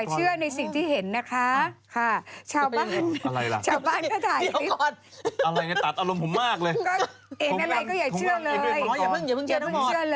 เหมือนจริงมีเขาด้วย